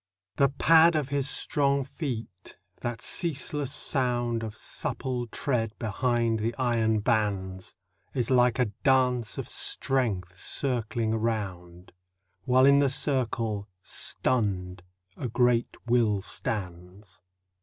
The pad of his strong feet, that ceaseless sound Of supple tread behind the iron bands, Is like a dance of strength circling around, While in the circle, stunned, a great will stands.